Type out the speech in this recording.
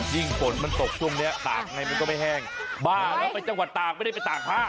ฝนมันตกช่วงนี้ตากไงมันก็ไม่แห้งบ้าแล้วไปจังหวัดตากไม่ได้ไปตากผ้า